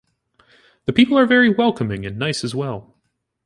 The people are very welcoming and nice as well.